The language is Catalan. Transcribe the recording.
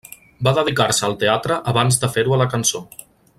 Va dedicar-se al teatre abans de fer-ho a la cançó.